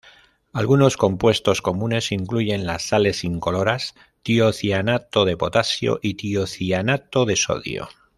Algunos compuestos comunes incluyen las sales incoloras tiocianato de potasio y tiocianato de sodio.